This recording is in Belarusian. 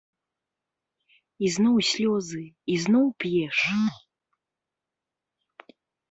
Ізноў слёзы, ізноў п'еш?